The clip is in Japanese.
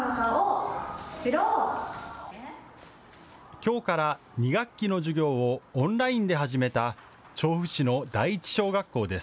きょうから２学期の授業をオンラインで始めた調布市の第一小学校です。